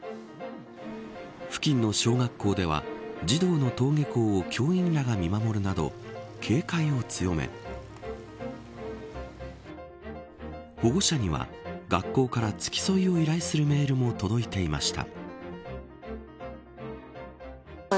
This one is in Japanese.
付近の小学校では児童も登下校を教員らが見守るなど警戒を強め保護者には学校から付き添いを依頼するメールも届いていました。